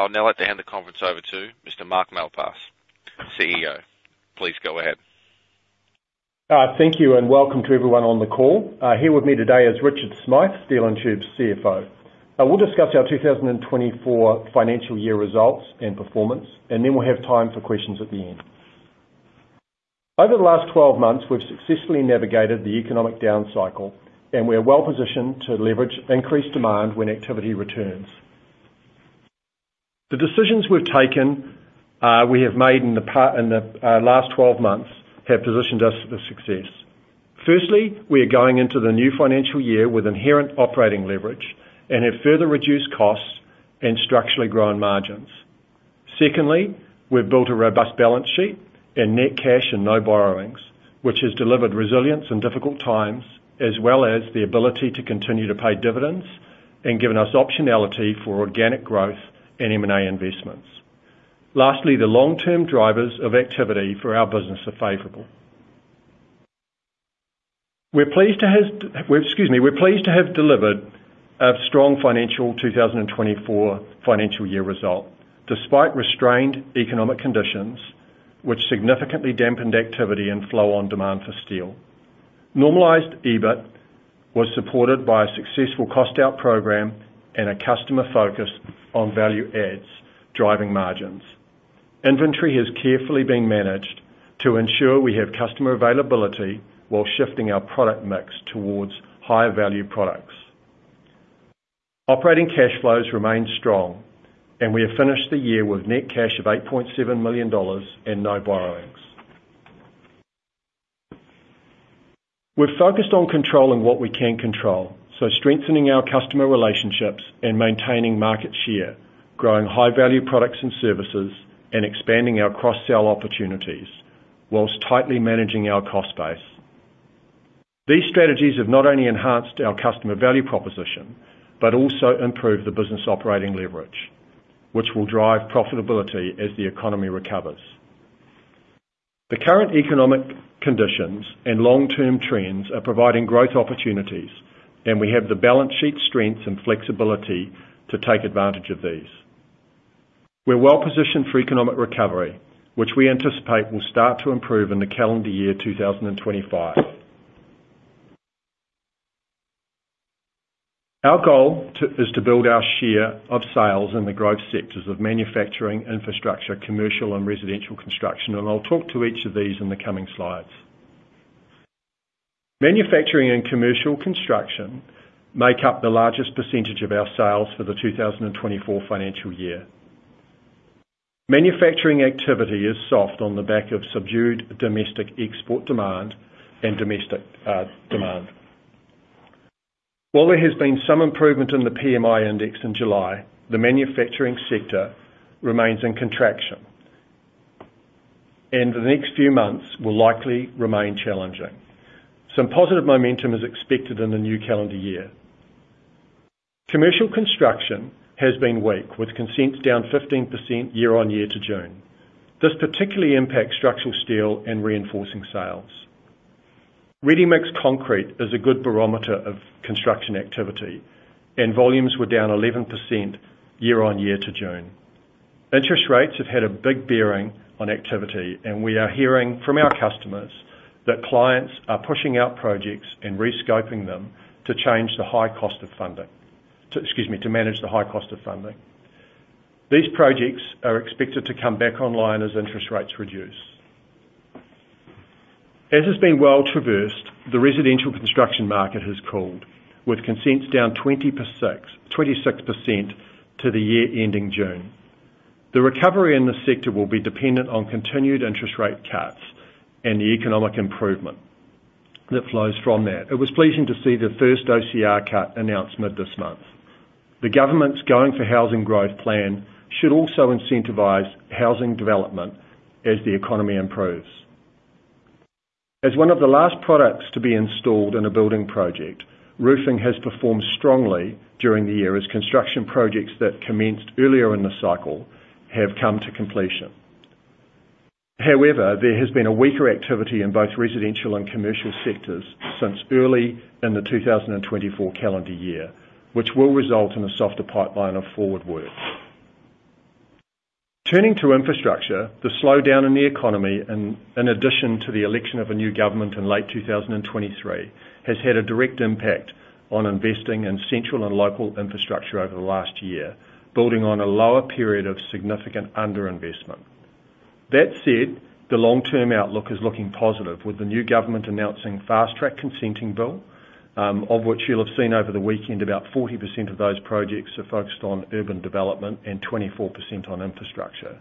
I'll now like to hand the conference over to Mr. Mark Malpass, CEO. Please go ahead. Thank you, and welcome to everyone on the call. Here with me today is Richard Smyth, Steel & Tube's CFO. We'll discuss our 2024 financial year results and performance, and then we'll have time for questions at the end. Over the last 12 months, we've successfully navigated the economic down cycle, and we are well-positioned to leverage increased demand when activity returns. The decisions we've taken, we have made in the last 12 months, have positioned us for success. Firstly, we are going into the new financial year with inherent operating leverage and have further reduced costs and structurally grown margins. Secondly, we've built a robust balance sheet and net cash and no borrowings, which has delivered resilience in difficult times, as well as the ability to continue to pay dividends and given us optionality for organic growth and M&A investments. Lastly, the long-term drivers of activity for our business are favorable. We're pleased to have, excuse me, we're pleased to have delivered a strong financial, 2024 financial year result, despite restrained economic conditions, which significantly dampened activity and flow on demand for steel. Normalized EBIT was supported by a successful cost-out program and a customer focus on value adds, driving margins. Inventory has carefully been managed to ensure we have customer availability while shifting our product mix towards higher value products. Operating cash flows remain strong, and we have finished the year with net cash of 8.7 million dollars and no borrowings. We're focused on controlling what we can control, so strengthening our customer relationships and maintaining market share, growing high-value products and services, and expanding our cross-sell opportunities while tightly managing our cost base. These strategies have not only enhanced our customer value proposition, but also improved the business operating leverage, which will drive profitability as the economy recovers. The current economic conditions and long-term trends are providing growth opportunities, and we have the balance sheet strength and flexibility to take advantage of these. We're well positioned for economic recovery, which we anticipate will start to improve in the calendar year 2025. Our goal to, is to build our share of sales in the growth sectors of manufacturing, infrastructure, commercial, and residential construction, and I'll talk to each of these in the coming slides. Manufacturing and commercial construction make up the largest percentage of our sales for the 2024 financial year. Manufacturing activity is soft on the back of subdued domestic export demand and domestic demand. While there has been some improvement in the PMI index in July, the manufacturing sector remains in contraction, and the next few months will likely remain challenging. Some positive momentum is expected in the new calendar year. Commercial construction has been weak, with consents down 15% year-on-year to June. This particularly impacts structural steel and reinforcing sales. Ready-mix concrete is a good barometer of construction activity, and volumes were down 11% year-on-year to June. Interest rates have had a big bearing on activity, and we are hearing from our customers that clients are pushing out projects and re-scoping them to manage the high cost of funding. These projects are expected to come back online as interest rates reduce. As has been well traversed, the residential construction market has cooled, with consents down 26% for the year-ending June. The recovery in this sector will be dependent on continued interest rate cuts and the economic improvement that flows from that. It was pleasing to see the first OCR cut announcement this month. The government's Going for Housing Growth plan should also incentivize housing development as the economy improves. As one of the last products to be installed in a building project, roofing has performed strongly during the year as construction projects that commenced earlier in the cycle have come to completion. However, there has been a weaker activity in both residential and commercial sectors since early in the 2024 calendar year, which will result in a softer pipeline of forward work. Turning to infrastructure, the slowdown in the economy, in addition to the election of a new government in late 2023, has had a direct impact on investing in central and local infrastructure over the last year, building on a lower period of significant underinvestment. That said, the long-term outlook is looking positive, with the new government announcing Fast-track Consenting Bill, of which you'll have seen over the weekend, about 40% of those projects are focused on urban development and 24% on infrastructure.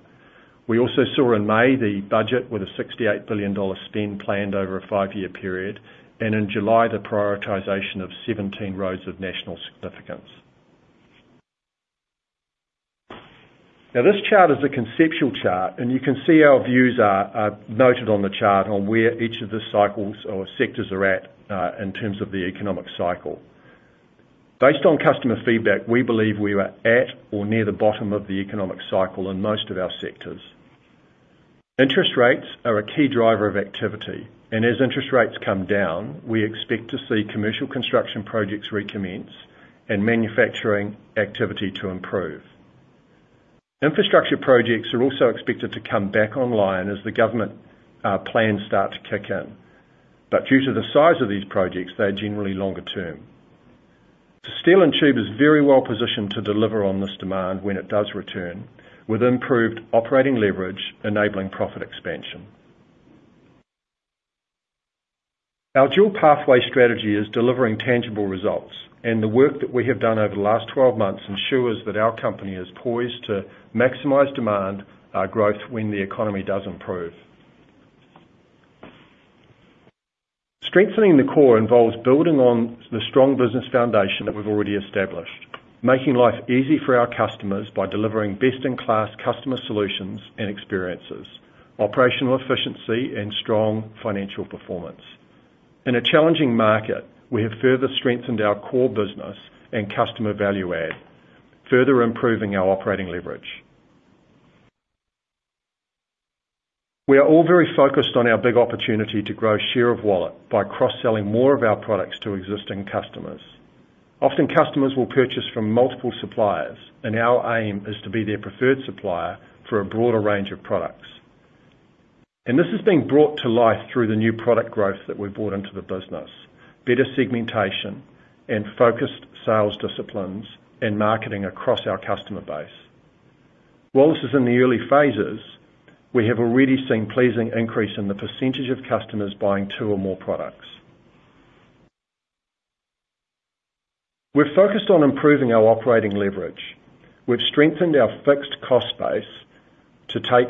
We also saw in May the budget with a 68 billion dollar spend planned over a five-year period, and in July, the prioritization of 17 Roads of National Significance. Now, this chart is a conceptual chart, and you can see our views are noted on the chart on where each of the cycles or sectors are at, in terms of the economic cycle. Based on customer feedback, we believe we are at or near the bottom of the economic cycle in most of our sectors. Interest rates are a key driver of activity, and as interest rates come down, we expect to see commercial construction projects recommence and manufacturing activity to improve. Infrastructure projects are also expected to come back online as the government plans start to kick in. But due to the size of these projects, they are generally longer term. So Steel & Tube is very well positioned to deliver on this demand when it does return, with improved operating leverage, enabling profit expansion. Our dual pathway strategy is delivering tangible results, and the work that we have done over the last 12 months ensures that our company is poised to maximize demand growth, when the economy does improve. Strengthening the core involves building on the strong business foundation that we've already established, making life easy for our customers by delivering best-in-class customer solutions and experiences, operational efficiency, and strong financial performance. In a challenging market, we have further strengthened our core business and customer value add, further improving our operating leverage. We are all very focused on our big opportunity to grow share of wallet by cross-selling more of our products to existing customers. Often, customers will purchase from multiple suppliers, and our aim is to be their preferred supplier for a broader range of products. And this is being brought to life through the new product growth that we've brought into the business, better segmentation, and focused sales disciplines and marketing across our customer base. While this is in the early phases, we have already seen pleasing increase in the percentage of customers buying two or more products. We're focused on improving our operating leverage. We've strengthened our fixed cost base to take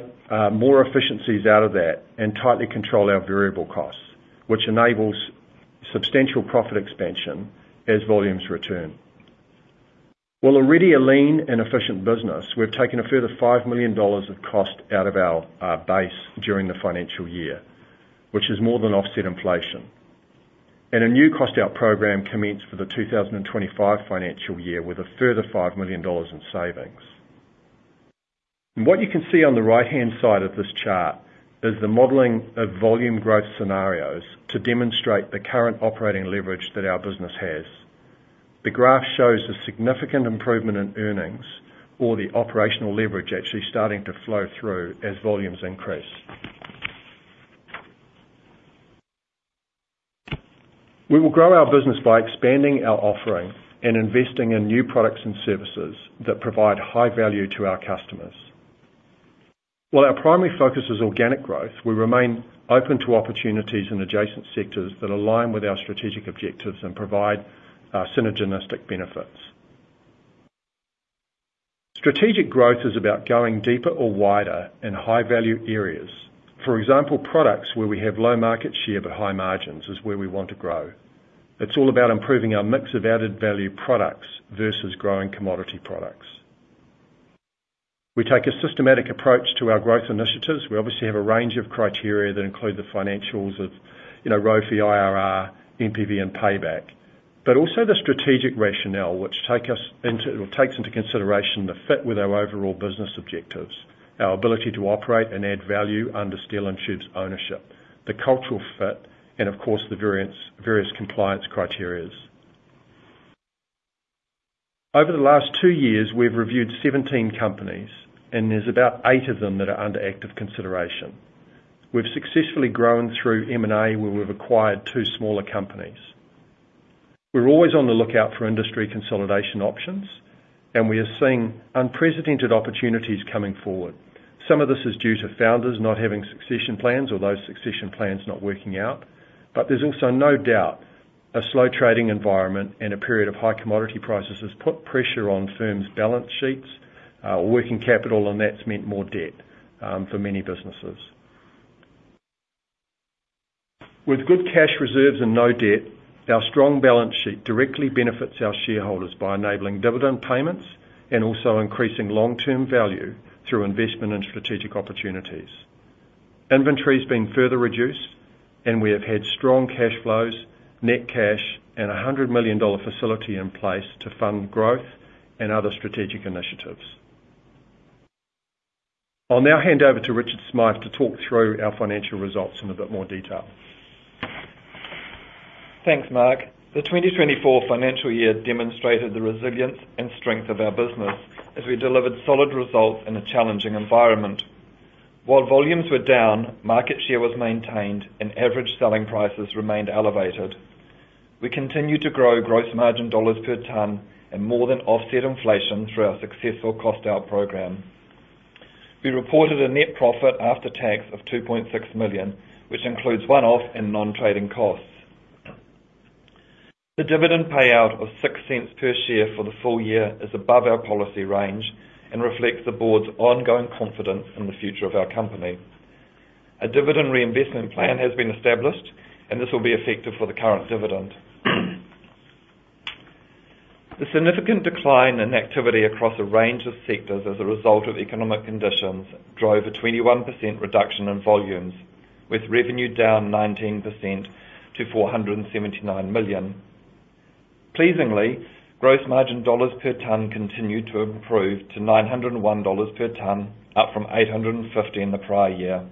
more efficiencies out of that and tightly control our variable costs, which enables substantial profit expansion as volumes return. While already a lean and efficient business, we've taken a further 5 million dollars of cost out of our base during the financial year, which has more than offset inflation, and a new cost-out program commenced for the 2025 financial year, with a further 5 million dollars in savings, and what you can see on the right-hand side of this chart is the modeling of volume growth scenarios to demonstrate the current operating leverage that our business has. The graph shows a significant improvement in earnings or the operational leverage actually starting to flow through as volumes increase. We will grow our business by expanding our offering and investing in new products and services that provide high value to our customers. While our primary focus is organic growth, we remain open to opportunities in adjacent sectors that align with our strategic objectives and provide synergistic benefits. Strategic growth is about going deeper or wider in high-value areas. For example, products where we have low market share but high margins is where we want to grow. It's all about improving our mix of added-value products versus growing commodity products. We take a systematic approach to our growth initiatives. We obviously have a range of criteria that include the financials of, you know, ROFE, IRR, NPV, and payback, but also the strategic rationale, which take us into or takes into consideration the fit with our overall business objectives, our ability to operate and add value under Steel & Tube's ownership, the cultural fit, and of course, the various compliance criteria. Over the last two years, we've reviewed 17 companies, and there's about eight of them that are under active consideration. We've successfully grown through M&A, where we've acquired two smaller companies. We're always on the lookout for industry consolidation options, and we are seeing unprecedented opportunities coming forward. Some of this is due to founders not having succession plans or those succession plans not working out, but there's also no doubt a slow trading environment and a period of high commodity prices has put pressure on firms' balance sheets, working capital, and that's meant more debt for many businesses. With good cash reserves and no debt, our strong balance sheet directly benefits our shareholders by enabling dividend payments and also increasing long-term value through investment in strategic opportunities. Inventory's been further reduced, and we have had strong cash flows, net cash, and a 100 million dollar facility in place to fund growth and other strategic initiatives. I'll now hand over to Richard Smyth to talk through our financial results in a bit more detail. Thanks, Mark. The 2024 financial year demonstrated the resilience and strength of our business as we delivered solid results in a challenging environment. While volumes were down, market share was maintained, and average selling prices remained elevated. We continued to grow gross margin dollars per tonne and more than offset inflation through our successful cost-out program. We reported a net profit after tax of 2.6 million, which includes one-off and non-trading costs. The dividend payout of 0.06 per share for the full year is above our policy range and reflects the board's ongoing confidence in the future of our company. A Dividend Reinvestment Plan has been established, and this will be effective for the current dividend. The significant decline in activity across a range of sectors as a result of economic conditions drove a 21% reduction in volumes, with revenue down 19% to 479 million. Pleasingly, gross margin dollars per tonne continued to improve to 901 dollars per tonne, up from 850 in the prior year.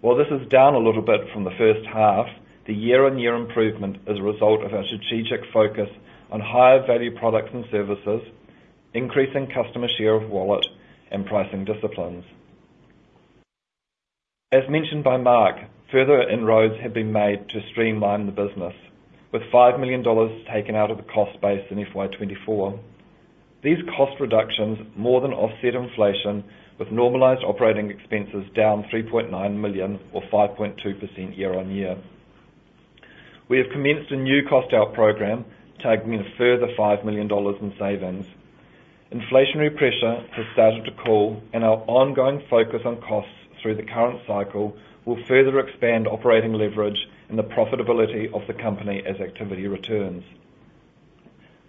While this is down a little bit from the first half, the year-on-year improvement is a result of our strategic focus on higher value products and services, increasing customer share of wallet, and pricing disciplines. As mentioned by Mark, further inroads have been made to streamline the business, with 5 million dollars taken out of the cost base in FY 2024. These cost reductions more than offset inflation, with normalized operating expenses down 3.9 million or 5.2% year-on-year. We have commenced a new cost out program, targeting a further 5 million dollars in savings. Inflationary pressure has started to cool, and our ongoing focus on costs through the current cycle will further expand operating leverage and the profitability of the company as activity returns.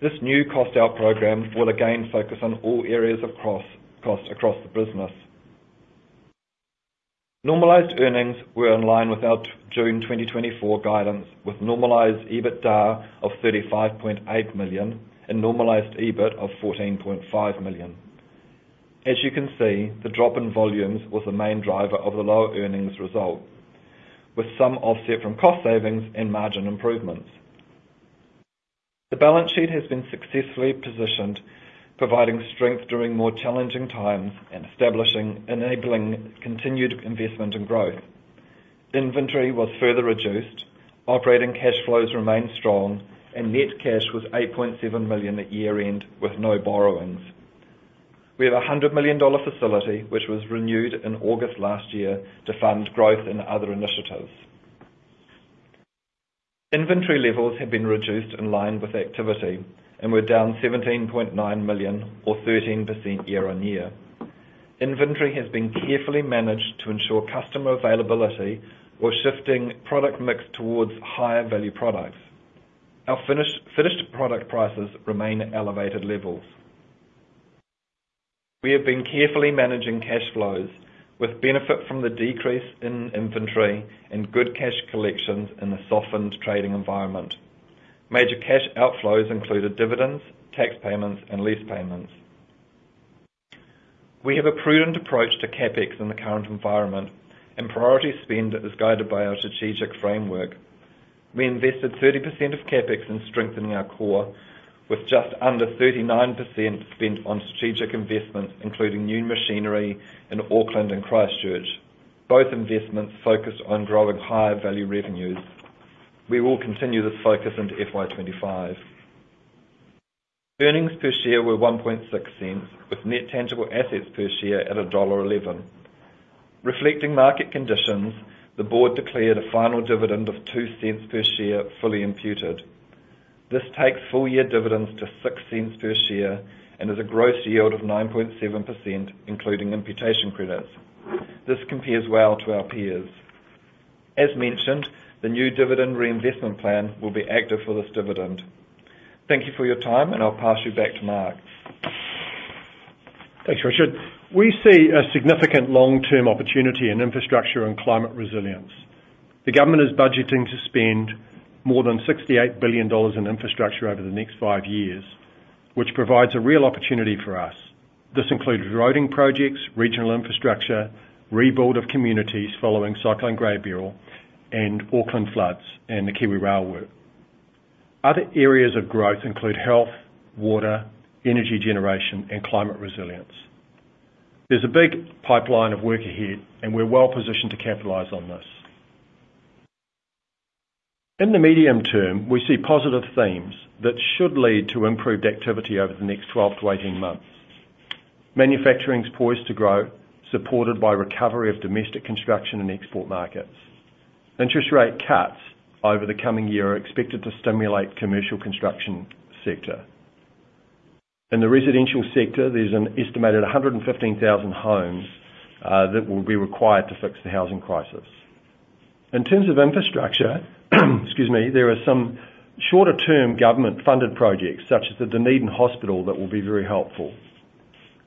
This new cost out program will again focus on all areas across, cost across the business. Normalized earnings were in line with our June 2024 guidance, with normalized EBITDA of 35.8 million and normalized EBIT of 14.5 million. As you can see, the drop in volumes was the main driver of the lower earnings result, with some offset from cost savings and margin improvements. The balance sheet has been successfully positioned, providing strength during more challenging times and establishing, enabling continued investment and growth. Inventory was further reduced, operating cash flows remained strong, and net cash was 8.7 million at year-end, with no borrowings. We have a 100 million dollar facility, which was renewed in August last year to fund growth in other initiatives. Inventory levels have been reduced in line with activity and were down 17.9 million or 13% year-on-year. Inventory has been carefully managed to ensure customer availability while shifting product mix towards higher value products. Our finished product prices remain at elevated levels. We have been carefully managing cash flows with benefit from the decrease in inventory and good cash collections in the softened trading environment. Major cash outflows included dividends, tax payments, and lease payments. We have a prudent approach to CapEx in the current environment, and priority spend is guided by our strategic framework. We invested 30% of CapEx in strengthening our core, with just under 39% spent on strategic investments, including new machinery in Auckland and Christchurch. Both investments focused on growing higher value revenues. We will continue this focus into FY 2025. Earnings per share were 0.016, with net tangible assets per share at dollar 1.11. Reflecting market conditions, the board declared a final dividend of 0.02 per share, fully imputed. This takes full-year dividends to 0.06 per share and is a gross yield of 9.7%, including imputation credits. This compares well to our peers. As mentioned, the new dividend reinvestment plan will be active for this dividend. Thank you for your time, and I'll pass you back to Mark. Thanks, Richard. We see a significant long-term opportunity in infrastructure and climate resilience. The government is budgeting to spend more than 68 billion dollars in infrastructure over the next five years, which provides a real opportunity for us. This includes roading projects, regional infrastructure, rebuild of communities following Cyclone Gabrielle and Auckland floods, and the KiwiRail work. Other areas of growth include health, water, energy generation, and climate resilience. There's a big pipeline of work ahead, and we're well positioned to capitalize on this. In the medium term, we see positive themes that should lead to improved activity over the next 12-18 months. Manufacturing is poised to grow, supported by recovery of domestic construction and export markets. Interest rate cuts over the coming year are expected to stimulate commercial construction sector. In the residential sector, there's an estimated 115,000 homes that will be required to fix the housing crisis. In terms of infrastructure, excuse me, there are some shorter-term government-funded projects, such as the Dunedin Hospital, that will be very helpful.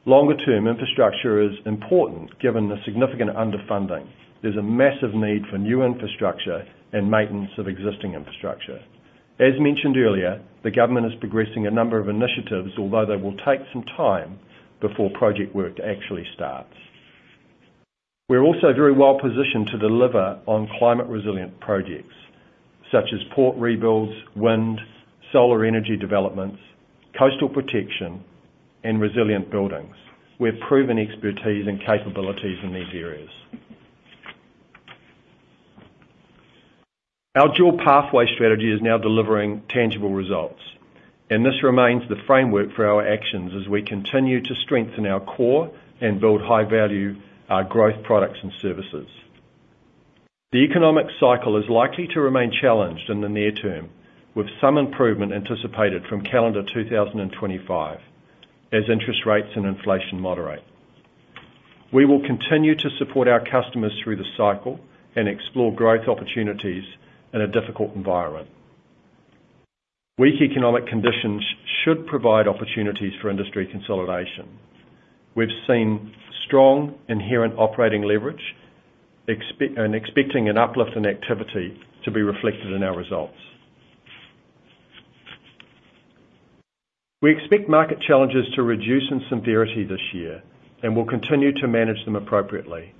Longer-term infrastructure is important, given the significant underfunding. There's a massive need for new infrastructure and maintenance of existing infrastructure. As mentioned earlier, the government is progressing a number of initiatives, although they will take some time before project work actually starts. We're also very well positioned to deliver on climate resilient projects such as port rebuilds, wind, solar energy developments, coastal protection, and resilient buildings. We have proven expertise and capabilities in these areas. Our dual pathway strategy is now delivering tangible results, and this remains the framework for our actions as we continue to strengthen our core and build high value growth products and services. The economic cycle is likely to remain challenged in the near term, with some improvement anticipated from calendar 2025 as interest rates and inflation moderate. We will continue to support our customers through the cycle and explore growth opportunities in a difficult environment. Weak economic conditions should provide opportunities for industry consolidation. We've seen strong inherent operating leverage, expecting an uplift in activity to be reflected in our results. We expect market challenges to reduce in severity this year, and we'll continue to manage them appropriately.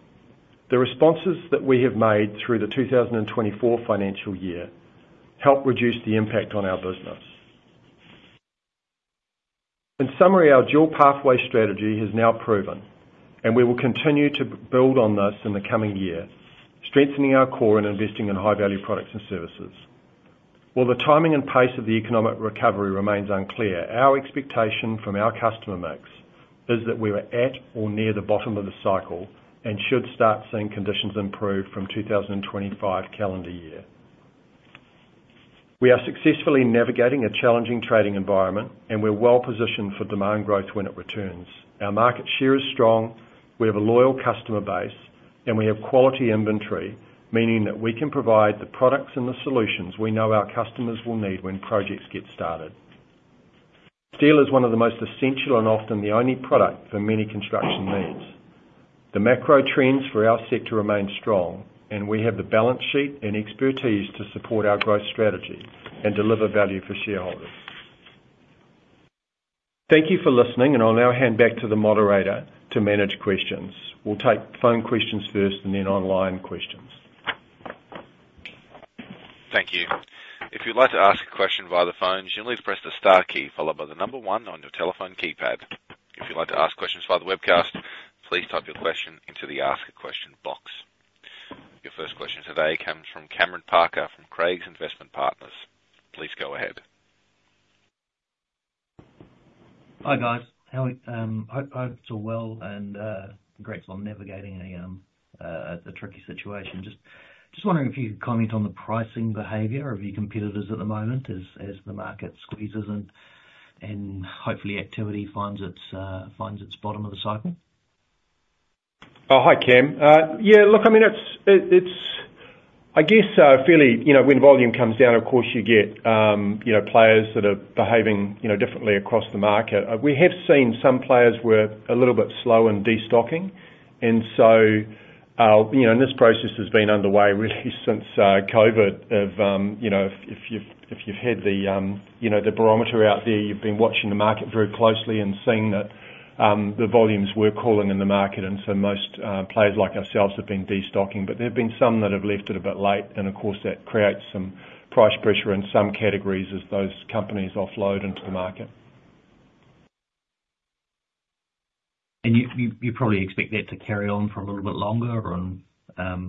The responses that we have made through the 2024 financial year help reduce the impact on our business. In summary, our dual pathway strategy is now proven, and we will continue to build on this in the coming year, strengthening our core and investing in high-value products and services. While the timing and pace of the economic recovery remains unclear, our expectation from our customer mix is that we are at or near the bottom of the cycle and should start seeing conditions improve from 2025 calendar year. We are successfully navigating a challenging trading environment, and we're well positioned for demand growth when it returns. Our market share is strong, we have a loyal customer base, and we have quality inventory, meaning that we can provide the products and the solutions we know our customers will need when projects get started. Steel is one of the most essential and often the only product for many construction needs. The macro trends for our sector remain strong, and we have the balance sheet and expertise to support our growth strategy and deliver value for shareholders. Thank you for listening, and I'll now hand back to the moderator to manage questions. We'll take phone questions first and then online questions. Thank you. If you'd like to ask a question via the phone, generally press the star key followed by the number one on your telephone keypad. If you'd like to ask questions via the webcast, please type your question into the Ask a Question box. Your first question today comes from Cameron Parker, from Craigs Investment Partners. Please go ahead. Hi, guys. Hope it's all well, and congrats on navigating a tricky situation. Just wondering if you could comment on the pricing behavior of your competitors at the moment as the market squeezes and hopefully activity finds its bottom of the cycle? Oh, hi, Cam. Yeah, look, I mean, it's, it, it's I guess, fairly, you know, when volume comes down, of course, you get, you know, players that are behaving, you know, differently across the market. We have seen some players were a little bit slow in destocking, and so, you know, and this process has been underway really since COVID. Of, you know, if, if you've, if you've had the, you know, the barometer out there, you've been watching the market very closely and seeing that, the volumes were falling in the market, and so most, players like ourselves have been destocking. But there have been some that have left it a bit late, and of course, that creates some price pressure in some categories as those companies offload into the market. You probably expect that to carry on for a little bit longer, or?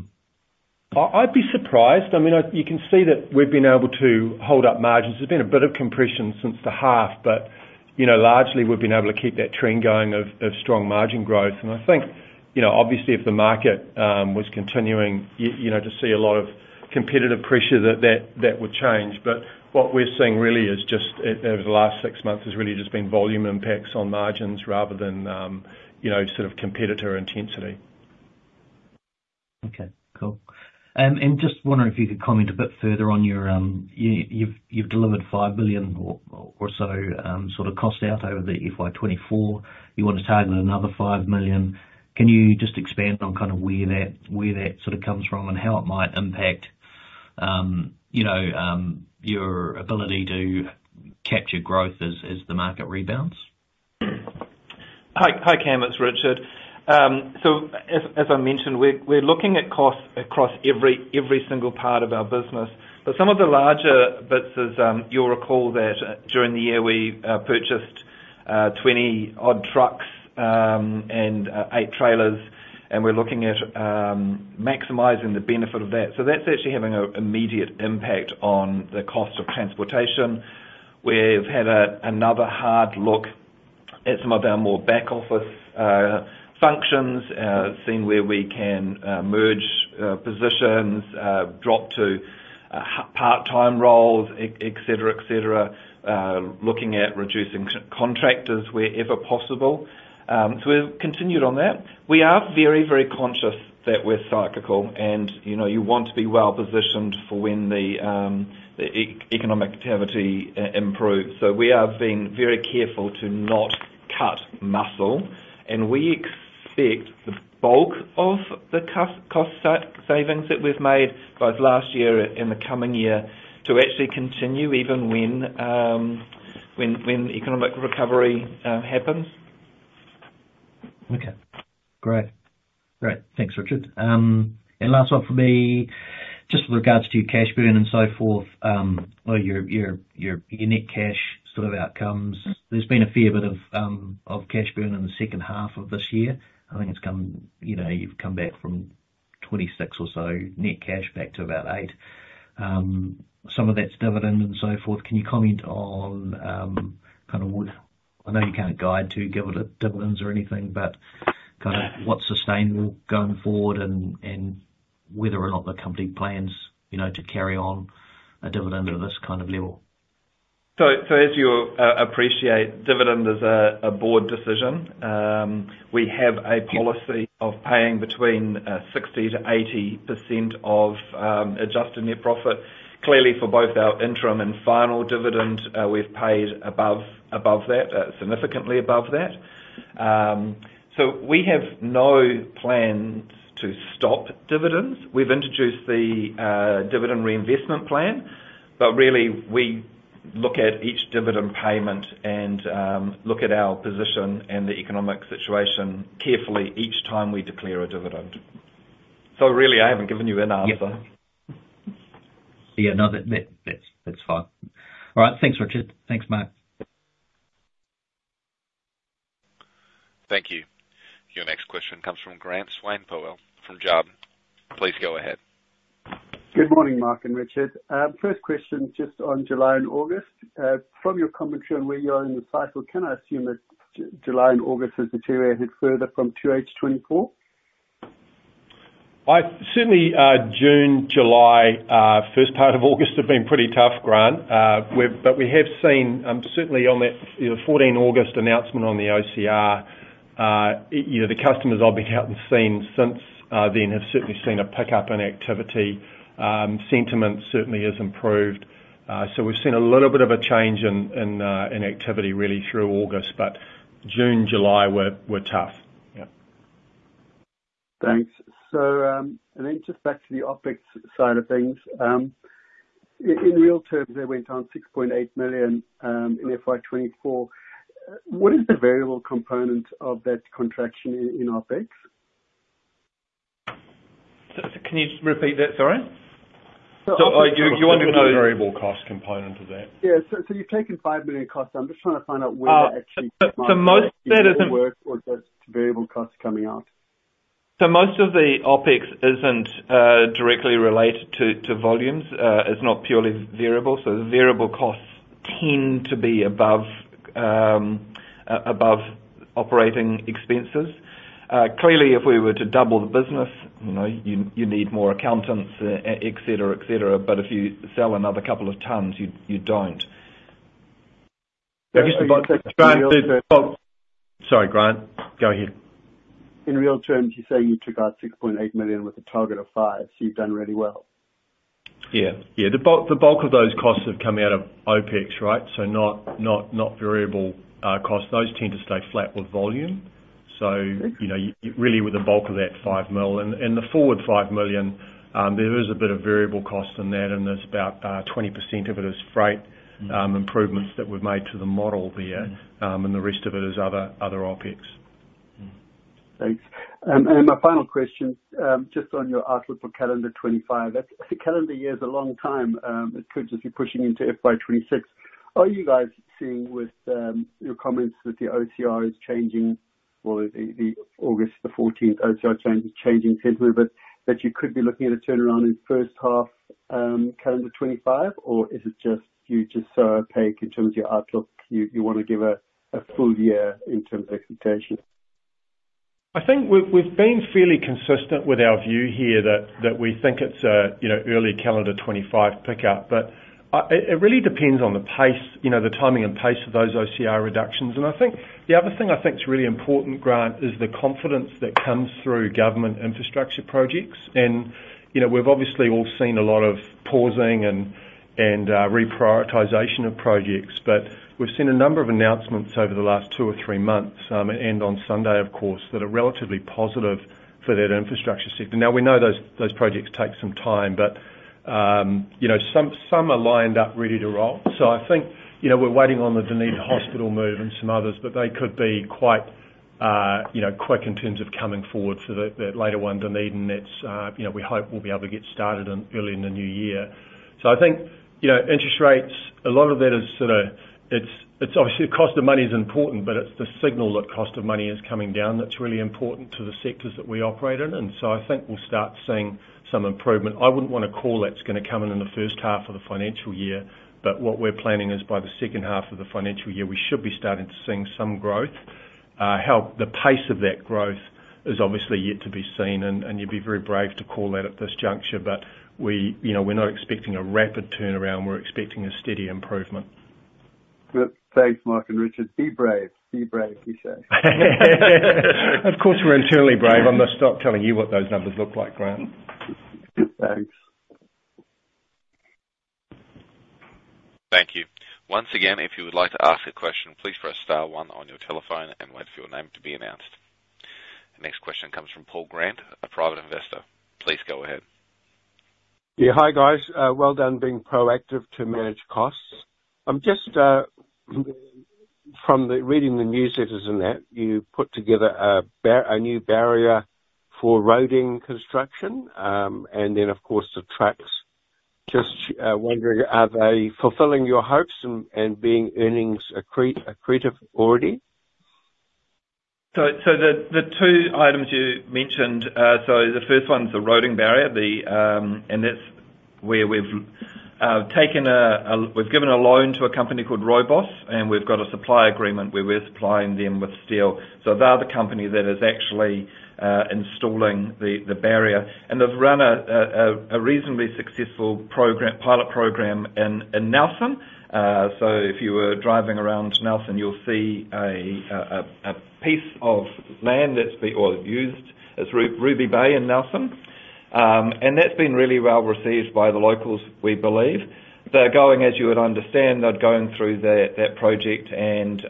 I'd be surprised. I mean, you can see that we've been able to hold up margins. There's been a bit of compression since the half, but, you know, largely, we've been able to keep that trend going of strong margin growth. And I think, you know, obviously, if the market was continuing, you know, to see a lot of competitive pressure, that would change. But what we're seeing really is just, over the last six months, has really just been volume impacts on margins rather than, you know, sort of competitor intensity. Okay, cool, and just wondering if you could comment a bit further on your, you've delivered five billion or so sort of cost out over the FY 2024. You want to target another five million. Can you just expand on kind of where that sort of comes from and how it might impact you know your ability to capture growth as the market rebounds? Hi, Cam, it's Richard. So, as I mentioned, we're looking at costs across every single part of our business. But some of the larger bits is, you'll recall that during the year we purchased 20-odd trucks and 8 trailers, and we're looking at maximizing the benefit of that. So that's actually having an immediate impact on the cost of transportation. We've had another hard look at some of our more back office functions. Seeing where we can merge positions, drop to part-time roles, et cetera, et cetera. Looking at reducing contractors wherever possible. So we've continued on that. We are very, very conscious that we're cyclical, and, you know, you want to be well positioned for when the economic activity improves. So we are being very careful to not cut muscle, and we expect the bulk of the cost savings that we've made, both last year and the coming year, to actually continue even when economic recovery happens. Okay. Great. Great. Thanks, Richard. And last one for me, just with regards to your cash burn and so forth, well, your net cash sort of outcomes, there's been a fair bit of cash burn in the second half of this year. I think it's come. You know, you've come back from 26 or so net cash back to about 8. Some of that's dividend and so forth. Can you comment on kind of. I know you can't guide to give it at dividends or anything, but kind of what's sustainable going forward and whether or not the company plans, you know, to carry on a dividend at this kind of level? As you appreciate, dividend is a board decision. We have a policy of paying between 60%-80% of adjusted net profit. Clearly, for both our interim and final dividend, we've paid above that significantly above that. So we have no plans to stop dividends. We've introduced the Dividend Reinvestment Plan, but really, we look at each dividend payment and look at our position and the economic situation carefully each time we declare a dividend. So really, I haven't given you an answer. Yeah, no, that's fine. All right. Thanks, Richard. Thanks, Mark. Thank you. Your next question comes from Grant Swanepoel, from Jarden. Please go ahead. Good morning, Mark and Richard. First question, just on July and August. From your commentary on where you are in the cycle, can I assume that July and August has deteriorated further from 2H 2024? Certainly, June, July, first part of August have been pretty tough, Grant. But we have seen, certainly on that, you know, 14 August announcement on the OCR, you know, the customers I've been out and seen since then have certainly seen a pickup in activity. Sentiment certainly has improved. So we've seen a little bit of a change in activity really through August. But June, July were tough. Yeah. Thanks. So, and then just back to the OpEx side of things, in real terms, they went down 6.8 million, in FY 2024. What is the variable component of that contraction in OpEx? So can you just repeat that? Sorry. So, so, are you? You want to know the variable cost component of that? Yeah, so, so you've taken five million costs. I'm just trying to find out where that actually- Most of that isn't- ...or just variable costs coming out. Most of the OpEx isn't directly related to volumes. It's not purely variable, so the variable costs tend to be above operating expenses. Clearly, if we were to double the business, you know, you need more accountants, et cetera, et cetera, but if you sell another couple of tonnes, you don't. Sorry, Grant, go ahead. In real terms, you're saying you took out 6.8 million with a target of five, so you've done really well? Yeah. Yeah, the bulk of those costs have come out of OpEx, right? So not variable cost. Those tend to stay flat with volume. So you know, really with the bulk of that 5 million. And the forward 5 million, there is a bit of variable cost in that, and there's about 20% of it is freight improvements that we've made to the model there, and the rest of it is other OpEx. Thanks, and my final question, just on your outlook for calendar 2025. Calendar year is a long time, it could just be pushing into FY 2026. Are you guys seeing with your comments that the OCR is changing or the August 14th OCR change changing tentatively, but that you could be looking at a turnaround in first half calendar 2025, or is it just you're just so opaque in terms of your outlook, you wanna give a full year in terms of expectations? I think we've been fairly consistent with our view here that we think it's a you know early calendar 2025 pickup. But it really depends on the pace you know the timing and pace of those OCR reductions. And I think the other thing I think is really important Grant is the confidence that comes through government infrastructure projects. And you know we've obviously all seen a lot of pausing and reprioritization of projects but we've seen a number of announcements over the last two or three months and on Sunday of course that are relatively positive for that infrastructure sector. Now we know those projects take some time but you know some are lined up ready to roll. I think, you know, we're waiting on the Dunedin Hospital move and some others, but they could be quite, you know, quick in terms of coming forward. So that, that later one, Dunedin, that's, you know, we hope we'll be able to get started in early in the new year. So I think, you know, interest rates, a lot of that is sort of... It's obviously, cost of money is important, but it's the signal that cost of money is coming down that's really important to the sectors that we operate in. And so I think we'll start seeing some improvement. I wouldn't want to call that's gonna come in, in the first half of the financial year, but what we're planning is by the second half of the financial year, we should be starting to seeing some growth. The pace of that growth is obviously yet to be seen, and you'd be very brave to call that at this juncture. But we, you know, we're not expecting a rapid turnaround. We're expecting a steady improvement. Good. Thanks, Mark and Richard. Be brave. Be brave, you say. Of course, we're internally brave. I must stop telling you what those numbers look like, Grant. Thanks. Thank you. Once again, if you would like to ask a question, please press star one on your telephone and wait for your name to be announced. The next question comes from Paul Grant, a private investor. Please go ahead. Yeah. Hi, guys. Well done being proactive to manage costs. Just from reading the newsletters and that, you put together a new barrier for roading construction, and then, of course, the tracks. Just wondering, are they fulfilling your hopes and being earnings accretive already? So the two items you mentioned, so the first one is the roading barrier. And that's where we've given a loan to a company called ROBOS, and we've got a supply agreement where we're supplying them with steel. So they are the company that is actually installing the barrier. And they've run a reasonably successful program, pilot program in Nelson. So if you were driving around Nelson, you'll see a piece of land that's being used, it's Ruby Bay in Nelson and that's been really well received by the locals, we believe. They're going, as you would understand, they're going through that project and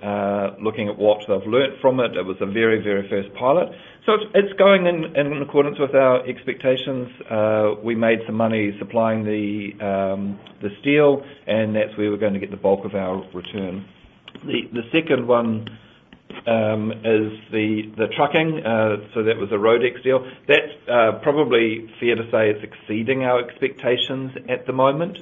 looking at what they've learned from it. It was the very, very first pilot. So it's going in accordance with our expectations. We made some money supplying the steel, and that's where we're going to get the bulk of our return. The second one is the trucking. So that was a ROBOS deal. That's probably fair to say is exceeding our expectations at the moment.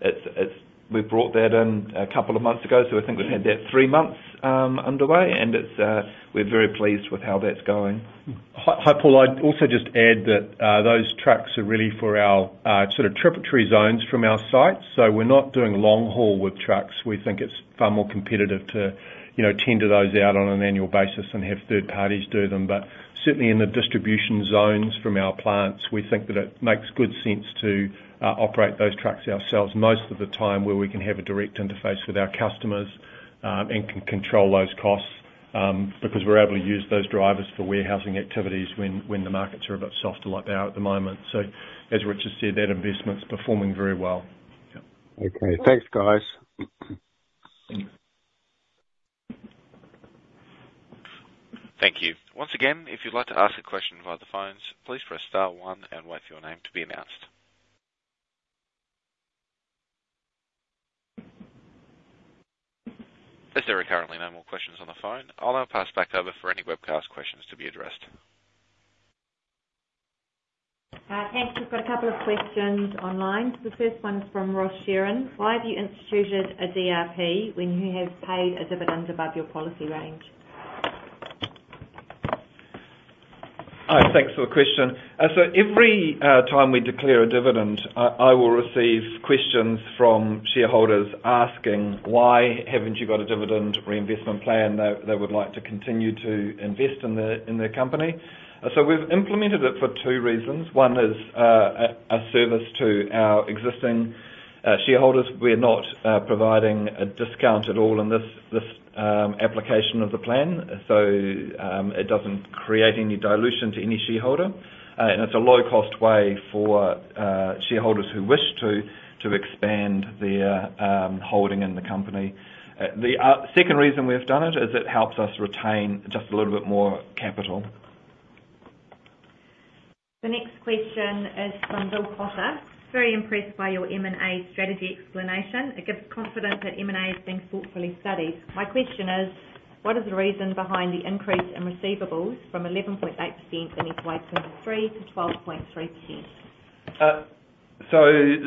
It's. We brought that in a couple of months ago, so I think we've had that three months underway, and we're very pleased with how that's going. Hi, Paul. I'd also just add that those trucks are really for our sort of tributary zones from our site. So we're not doing long haul with trucks. We think it's far more competitive to, you know, tender those out on an annual basis and have third parties do them. But certainly in the distribution zones from our plants, we think that it makes good sense to operate those trucks ourselves most of the time, where we can have a direct interface with our customers and can control those costs because we're able to use those drivers for warehousing activities when the markets are a bit softer like they are at the moment. So as Richard said, that investment is performing very well. Okay. Thanks, guys. Thank you. Once again, if you'd like to ask a question via the phones, please press star one and wait for your name to be announced. As there are currently no more questions on the phone, I'll now pass back over for any webcast questions to be addressed. Thanks. We've got a couple of questions online. The first one is from Ross Sheeran: "Why have you instituted a DRP when you have paid a dividend above your policy range? Thanks for the question. So every time we declare a dividend, I will receive questions from shareholders asking: Why haven't you got a Dividend Reinvestment Plan? They would like to continue to invest in the company. So we've implemented it for two reasons. One is a service to our existing shareholders. We're not providing a discount at all in this application of the plan. So it doesn't create any dilution to any shareholder, and it's a low-cost way for shareholders who wish to expand their holding in the company. The second reason we've done it is it helps us retain just a little bit more capital. The next question is from Bill Potter: "Very impressed by your M&A strategy explanation. It gives confidence that M&A is being thoughtfully studied. My question is, what is the reason behind the increase in receivables from 11.8% in FY 2023 to 12.3%?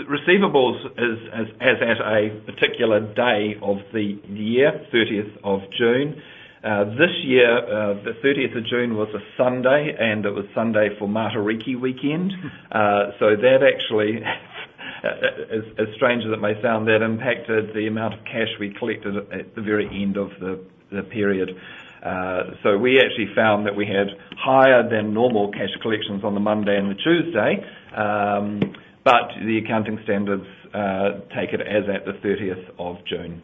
Receivables is at a particular day of the year, 30th of June. This year, the 30th of June was a Sunday, and it was Sunday for Matariki weekend. That actually, strange as it may sound, impacted the amount of cash we collected at the very end of the period. We actually found that we had higher than normal cash collections on the Monday and the Tuesday, but the accounting standards take it as at the 30th of June.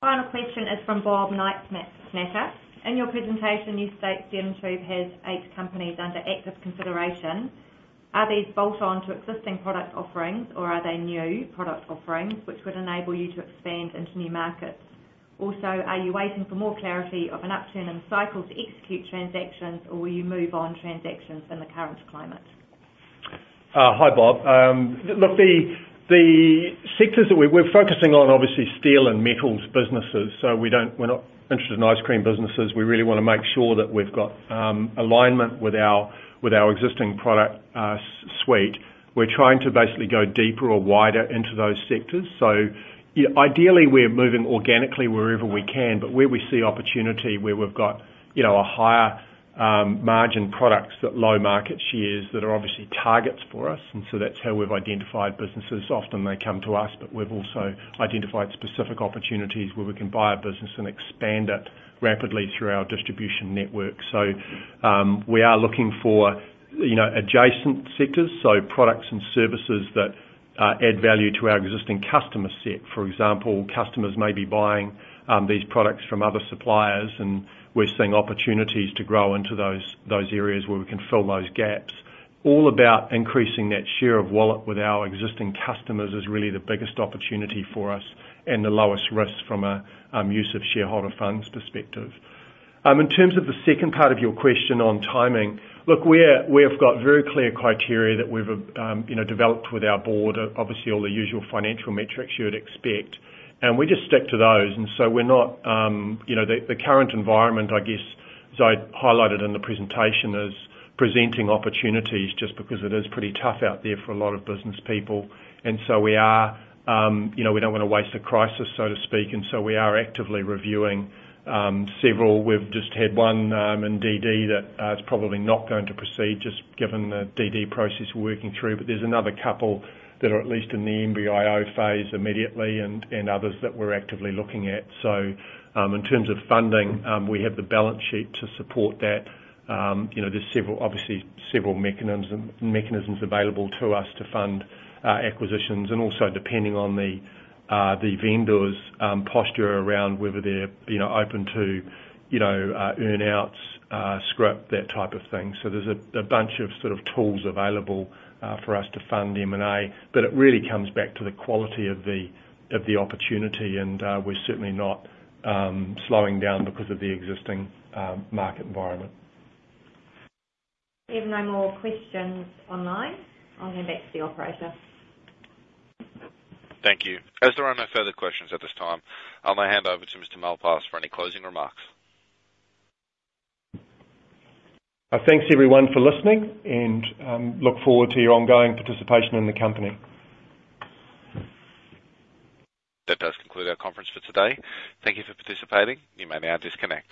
Final question is from Bob Nightsnacker. "In your presentation, you state Steel & Tube has eight companies under active consideration. Are these bolt-on to existing product offerings, or are they new product offerings which would enable you to expand into new markets? Also, are you waiting for more clarity of an uptick in cycle to execute transactions, or will you move on transactions in the current climate? Hi, Bob. Look, the sectors that we're focusing on, obviously, steel and metals businesses, so we don't. We're not interested in ice cream businesses. We really wanna make sure that we've got alignment with our existing product suite. We're trying to basically go deeper or wider into those sectors. So yeah, ideally, we're moving organically wherever we can, but where we see opportunity, where we've got, you know, a higher margin products with low market shares, that are obviously targets for us, and so that's how we've identified businesses. Often they come to us, but we've also identified specific opportunities where we can buy a business and expand it rapidly through our distribution network. So, we are looking for, you know, adjacent sectors, so products and services that add value to our existing customer set. For example, customers may be buying these products from other suppliers, and we're seeing opportunities to grow into those areas where we can fill those gaps. All about increasing that share of wallet with our existing customers is really the biggest opportunity for us and the lowest risk from a use of shareholder funds perspective. In terms of the second part of your question on timing, look, we have got very clear criteria that we've, you know, developed with our board, obviously all the usual financial metrics you would expect, and we just stick to those, and so we're not. You know, the current environment, I guess, as I highlighted in the presentation, is presenting opportunities just because it is pretty tough out there for a lot of business people. We are, you know, we don't want to waste a crisis, so to speak, and so we are actively reviewing several. We've just had one in DD that is probably not going to proceed, just given the DD process we're working through. But there's another couple that are at least in the M&A phase immediately, and others that we're actively looking at. So, in terms of funding, we have the balance sheet to support that. You know, there's several, obviously several mechanisms available to us to fund acquisitions, and also, depending on the vendors' posture around whether they're, you know, open to, you know, earn-outs, scrip, that type of thing. So there's a bunch of sort of tools available for us to fund M&A, but it really comes back to the quality of the opportunity, and we're certainly not slowing down because of the existing market environment. We have no more questions online. I'll hand back to the operator. Thank you. As there are no further questions at this time, I'll now hand over to Mr. Malpass for any closing remarks. Thanks, everyone, for listening and look forward to your ongoing participation in the company. That does conclude our conference for today. Thank you for participating. You may now disconnect.